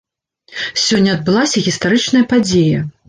Сёння адбылася гістарычная падзея.